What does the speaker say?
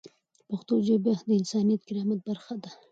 پښتو ژبه د انساني کرامت برخه ده.